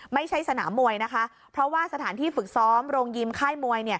ไม่ใช่สนามมวยนะคะเพราะว่าสถานที่ฝึกซ้อมโรงยิมค่ายมวย